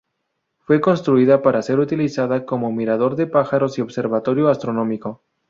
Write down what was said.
Fue construida para ser utilizada como mirador de pájaros y observatorio astronómico.